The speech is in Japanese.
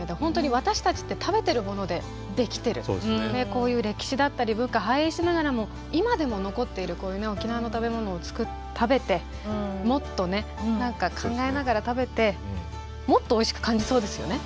こういう歴史だったり文化反映しながらも今でも残っているこういう沖縄の食べ物を食べてもっとね考えながら食べてもっとおいしく感じそうですよね。